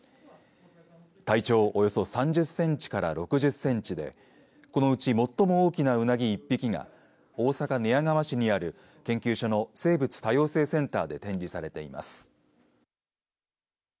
体長およそ３０センチから６０センチでこのうち最も大きなうなぎ１匹が大阪寝屋川市にある研究所の生物多様性センターで展示されています。